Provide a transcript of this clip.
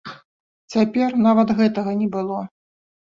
Цяпер нават гэтага не было.